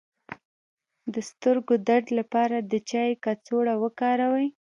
د سترګو درد لپاره د چای کڅوړه وکاروئ